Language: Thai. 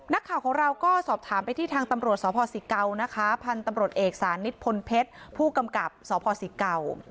นักข่าวของเราก็สอบถามไปที่ทางตำรวจสพศิเกานะคะพันธุ์ตำรวจเอกสานิทพลเพชรผู้กำกับสพศิเก่า